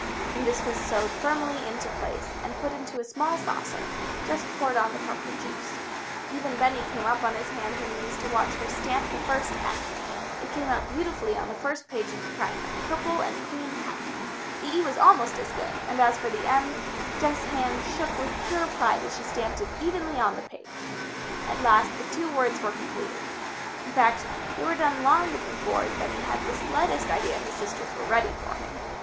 When this was sewed firmly into place, and put into a small saucer, Jess poured on the purple juice. Even Benny came up on his hands and knees to watch her stamp the first s. It came out beautifully on the first page of the primer, purple and clean cut. The e was almost as good, and as for the m, Jess' hand shook with pure pride as she stamped it evenly on the page. At last the two words were completed. In fact, they were done long before Benny had the slightest idea his sisters were ready for him.